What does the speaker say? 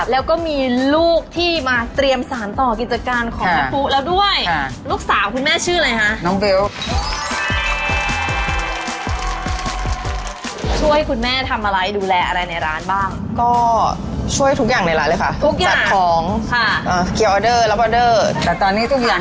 แล้วก็มีลูกที่มาเตรียมสารต่อกิจการของแม่ปุ๊กแล้วด้วย